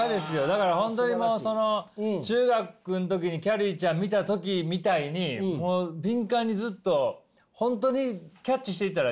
だから本当にもう中学の時にきゃりーちゃん見た時みたいに敏感にずっと本当にキャッチしていったら？